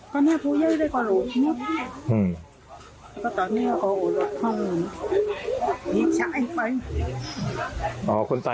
ก็เขาบอกว่ายิงพี่ก็เขาเอารถไปเลยอ๋อพอยิงพี่แล้วก็เอารถไป